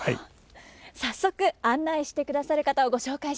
早速案内してくださる方をご紹介しましょう。